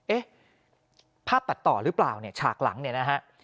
เอ๊ะภาพตัดต่อหรือเปล่าเนี่ยฉากหลังเนี่ยนะฮะ